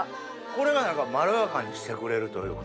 これがまろやかにしてくれるというか。